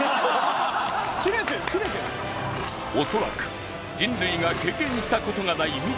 恐らく人類が経験したことがない